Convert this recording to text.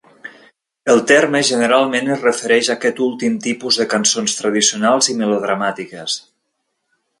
El terme generalment es refereix a aquest últim tipus de cançons tradicionals i melodramàtiques.